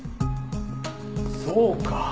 そうか！